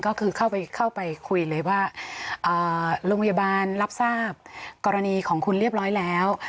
ก็คือเข้าไปคุยเลยว่าโรงพยาบาลรับทราบกรณีของคุณเรียบร้อยแล้ว